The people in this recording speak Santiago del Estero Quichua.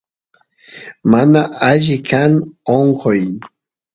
mana alli kan onqoy